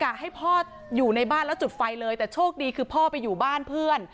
อยากให้พ่ออยู่ในบ้านแล้วจุดไฟเลยแต่โชคดีคือพ่อไปอยู่บ้านเพื่อน